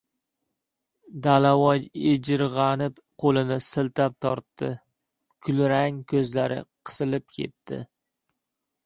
Dalavoy ijirg‘anib, qo‘lini siltab tortdi. Kulrang ko‘zlari qisilib ketdi.